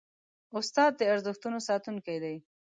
استاد د ارزښتونو ساتونکی دی.